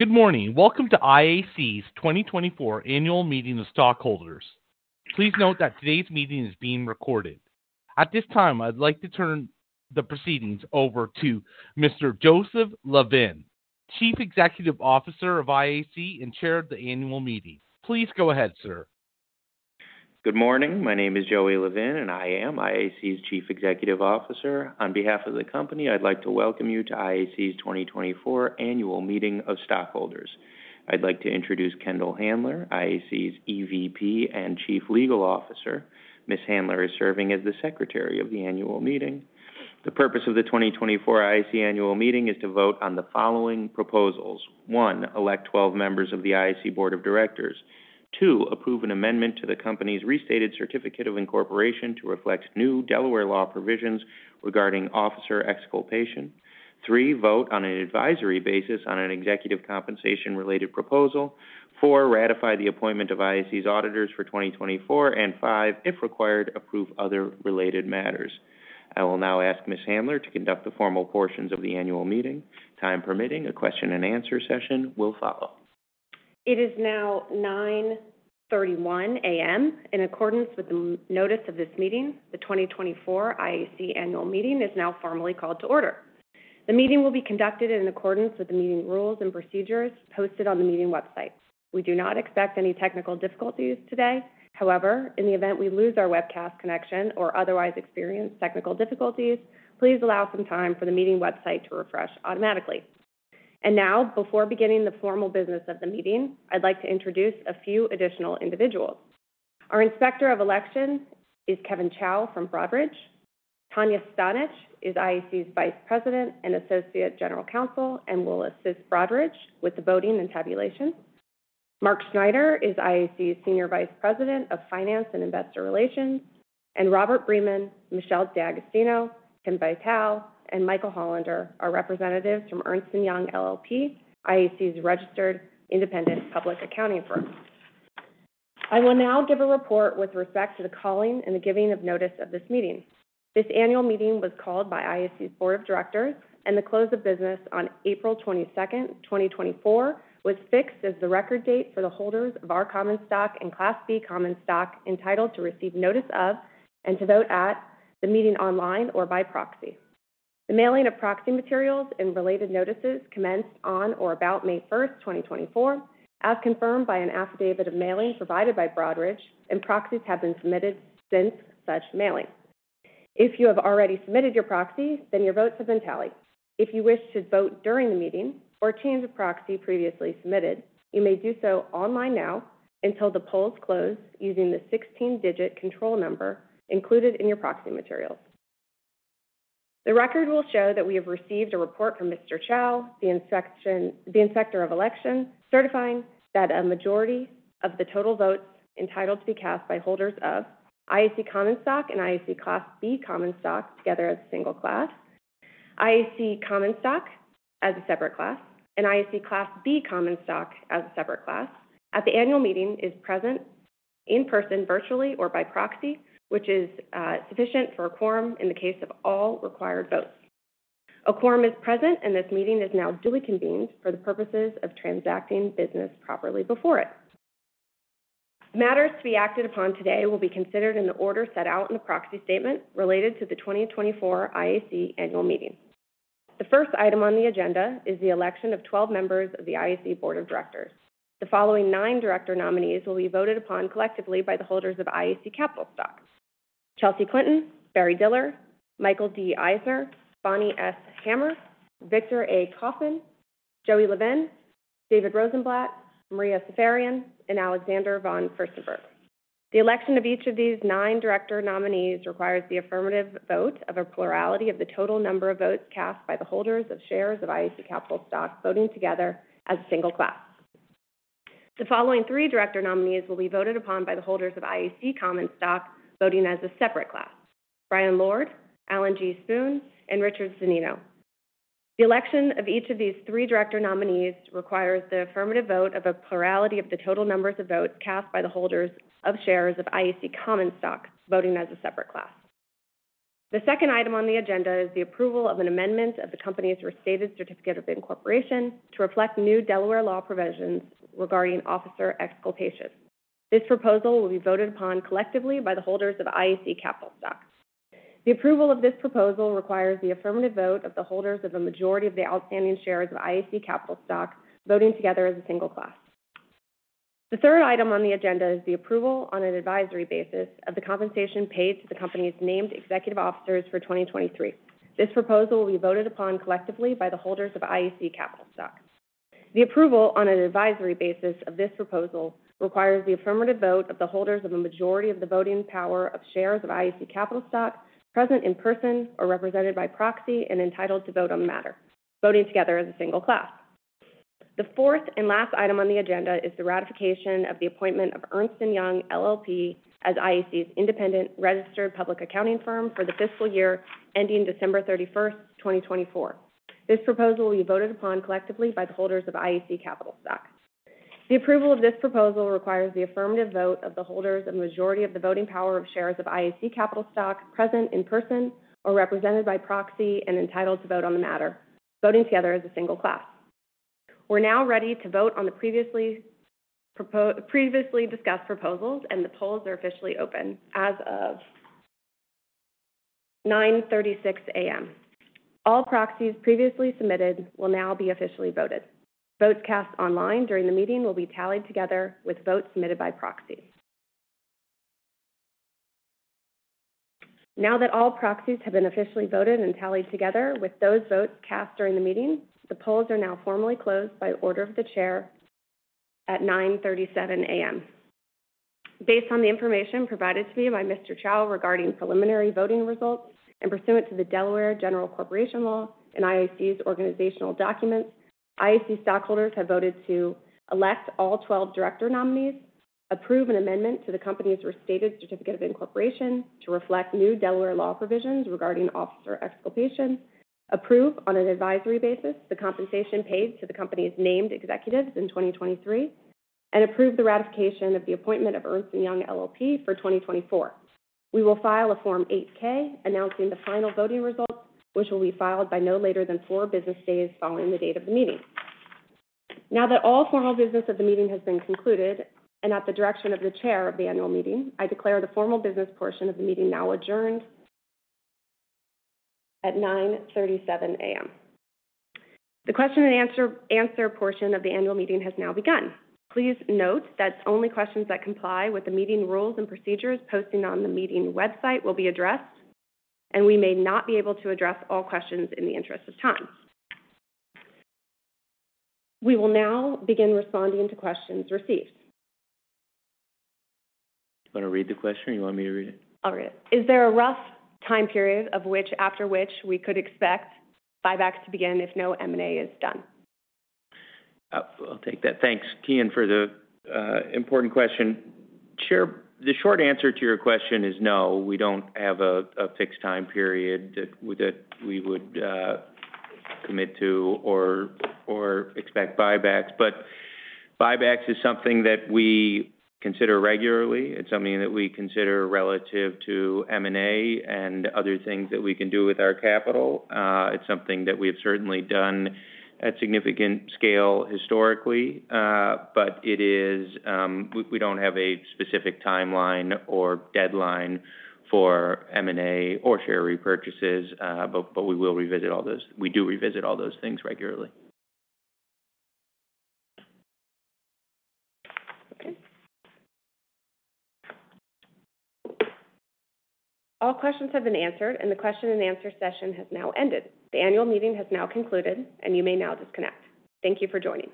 Good morning. Welcome to IAC's 2024 Annual Meeting of Stockholders. Please note that today's meeting is being recorded. At this time, I'd like to turn the proceedings over to Mr. Joseph Levin, Chief Executive Officer of IAC and Chair of the annual meeting. Please go ahead, sir. Good morning. My name is Joey Levin, and I am IAC's Chief Executive Officer. On behalf of the company, I'd like to welcome you to IAC's 2024 Annual Meeting of Stockholders. I'd like to introduce Kendall Handler, IAC's EVP and Chief Legal Officer. Ms. Handler is serving as the secretary of the annual meeting. The purpose of the 2024 IAC annual meeting is to vote on the following proposals: one, elect 12 members of the IAC Board of Directors; two, approve an amendment to the company's restated certificate of incorporation to reflect new Delaware law provisions regarding officer exculpation. Three, vote on an advisory basis on an executive compensation-related proposal. Four, ratify the appointment of IAC's auditors for 2024, and five, if required, approve other related matters. I will now ask Ms. Handler to conduct the formal portions of the annual meeting. Time permitting, a question and answer session will follow. It is now 9:31 A.M. In accordance with the notice of this meeting, the 2024 IAC annual meeting is now formally called to order. The meeting will be conducted in accordance with the meeting rules and procedures posted on the meeting website. We do not expect any technical difficulties today. However, in the event we lose our webcast connection or otherwise experience technical difficulties, please allow some time for the meeting website to refresh automatically. And now, before beginning the formal business of the meeting, I'd like to introduce a few additional individuals. Our Inspector of Elections is Kevin Chow from Broadridge. Tanya Stanich is IAC's Vice President and Associate General Counsel and will assist Broadridge with the voting and tabulation. Mark Schneider is IAC's Senior Vice President of Finance and Investor Relations, and Robert Bremen, Michelle D'Agostino, Ken Vitale, and Michael Hollander are representatives from Ernst & Young LLP, IAC's registered independent public accounting firm. I will now give a report with respect to the calling and the giving of notice of this meeting. This annual meeting was called by IAC's Board of Directors, and the close of business on April 22, 2024, was fixed as the record date for the holders of our common stock and Class B common stock, entitled to receive notice of and to vote at the meeting online or by proxy. The mailing of proxy materials and related notices commenced on or about May 1, 2024, as confirmed by an affidavit of mailing provided by Broadridge, and proxies have been submitted since such mailing. If you have already submitted your proxy, then your votes have been tallied. If you wish to vote during the meeting or change a proxy previously submitted, you may do so online now until the polls close using the 16-digit control number included in your proxy materials. The record will show that we have received a report from Mr. Chow, the Inspector of Elections, certifying that a majority of the total votes entitled to be cast by holders of IAC common stock and IAC Class B common stock together as a single class, IAC common stock as a separate class, and IAC Class B common stock as a separate class, at the annual meeting is present in person, virtually, or by proxy, which is sufficient for a quorum in the case of all required votes. A quorum is present, and this meeting is now duly convened for the purposes of transacting business properly before it. Matters to be acted upon today will be considered in the order set out in the proxy statement related to the 2024 IAC annual meeting. The first item on the agenda is the election of 12 members of the IAC Board of Directors. The following nine director nominees will be voted upon collectively by the holders of IAC capital stock: Chelsea Clinton, Barry Diller, Michael D. Eisner, Bonnie S. Hammer, Victor A. Kaufman, Joey Levin, David Rosenblatt, Maria Seferian, and Alexander von Furstenberg. The election of each of these nine director nominees requires the affirmative vote of a plurality of the total number of votes cast by the holders of shares of IAC capital stock, voting together as a single class. The following three director nominees will be voted upon by the holders of IAC common stock, voting as a separate class: Bryan Lourd, Alan G. Spoon, and Richard Zannino. The election of each of these three director nominees requires the affirmative vote of a plurality of the total number of votes cast by the holders of shares of IAC common stock, voting as a separate class. The second item on the agenda is the approval of an amendment of the company's restated certificate of incorporation to reflect new Delaware law provisions regarding officer exculpation. This proposal will be voted upon collectively by the holders of IAC capital stock. The approval of this proposal requires the affirmative vote of the holders of a majority of the outstanding shares of IAC capital stock, voting together as a single class. The third item on the agenda is the approval on an advisory basis of the compensation paid to the company's named executive officers for 2023. This proposal will be voted upon collectively by the holders of IAC capital stock. The approval on an advisory basis of this proposal requires the affirmative vote of the holders of a majority of the voting power of shares of IAC capital stock present in person or represented by proxy and entitled to vote on the matter, voting together as a single class. The fourth and last item on the agenda is the ratification of the appointment of Ernst & Young LLP as IAC's independent registered public accounting firm for the fiscal year ending December 31, 2024. This proposal will be voted upon collectively by the holders of IAC capital stock. The approval of this proposal requires the affirmative vote of the holders of majority of the voting power of shares of IAC capital stock, present in person or represented by proxy, and entitled to vote on the matter, voting together as a single class. We're now ready to vote on the previously discussed proposals, and the polls are officially open as of 9:36 A.M. All proxies previously submitted will now be officially voted. Votes cast online during the meeting will be tallied together with votes submitted by proxy. Now that all proxies have been officially voted and tallied together with those votes cast during the meeting, the polls are now formally closed by order of the chair at 9:37 A.M. Based on the information provided to me by Mr. Chow regarding preliminary voting results, and pursuant to the Delaware General Corporation Law and IAC's organizational documents, IAC stockholders have voted to elect all 12 director nominees, approve an amendment to the company's restated certificate of incorporation to reflect new Delaware law provisions regarding officer exculpation, approve, on an advisory basis, the compensation paid to the company's named executives in 2023, and approve the ratification of the appointment of Ernst & Young LLP for 2024. We will file a Form 8-K announcing the final voting results, which will be filed by no later than 4 business days following the date of the meeting. Now that all formal business of the meeting has been concluded, and at the direction of the chair of the annual meeting, I declare the formal business portion of the meeting now adjourned at 9:37 A.M. The question and answer, answer portion of the annual meeting has now begun. Please note that only questions that comply with the meeting rules and procedures posted on the meeting website will be addressed, and we may not be able to address all questions in the interest of time. We will now begin responding to questions received. You want to read the question, or you want me to read it? I'll read it. Is there a rough time period after which we could expect buybacks to begin if no M&A is done? I'll take that. Thanks, Kian, for the important question. Chair, the short answer to your question is no, we don't have a fixed time period that we would commit to or expect buybacks. But buybacks is something that we consider regularly. It's something that we consider relative to M&A and other things that we can do with our capital. It's something that we have certainly done at significant scale historically, but it is... We don't have a specific timeline or deadline for M&A or share repurchases, but we will revisit all those. We do revisit all those things regularly. Okay. All questions have been answered, and the question and answer session has now ended. The annual meeting has now concluded, and you may now disconnect. Thank you for joining.